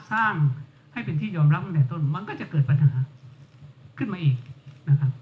สร้างให้เป็นที่ยอมรับตั้งแต่ต้นมันก็จะเกิดปัญหาขึ้นมาอีกนะครับ